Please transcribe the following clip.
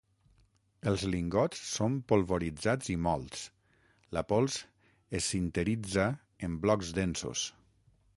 Els lingots són polvoritzats i mòlts; la pols es sinteritza en blocs densos.